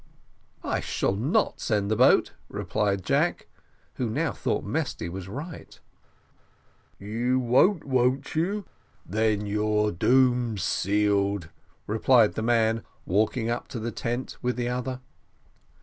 "I shall not send the boat," replied Jack, who now thought Mesty was right. "You won't won't you? then your doom's sealed," replied the man, walking up to the tent with the other.